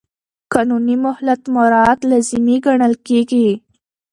د قانوني مهلت مراعات لازمي ګڼل کېږي.